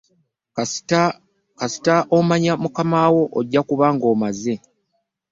Kasita omanya mukama wo ojja kuba omaze.